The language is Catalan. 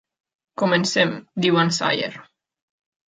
"Comencem", diu en Sayer.